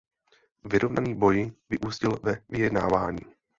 Vyrovnaný boj vyústil ve vyjednávání.